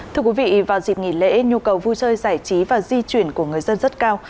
thưa quý vị vào dịp nghỉ lễ nhu cầu vui chơi giải trí và di chuyển của người dân rất cao